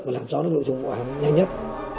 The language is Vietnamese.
và làm cho nó được dùng vụ án nhanh nhất